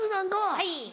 はい。